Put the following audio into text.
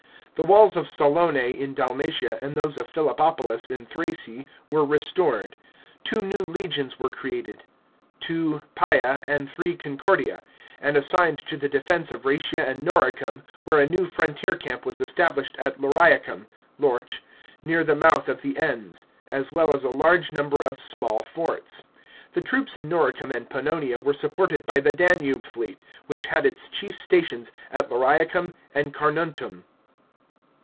The walls of Salonas in Dalmatia and those of Philippopolis in Thrace were restored. Two new legions were created — II. Pia and III. Concordia — and assigned to the defence of Rastia and Noricum, where a new frontier camp was established at Lauriacum (Lorch), near the mouth of the Enns, as well as a large number of small forts. The troops in Noricum and Pannonia were supported by the Danube fleet, which had its chief stations at Lauriacum and Carnuntum.